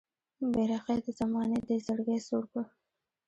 بې رخۍ د زمانې دې زړګی سوړ کړ